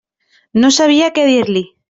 No sabia què dir-li.